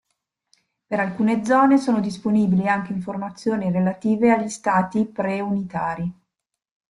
Per alcune zone sono disponibili anche informazioni relative agli Stati preunitari.